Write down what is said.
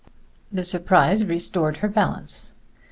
The surprise restored her balance.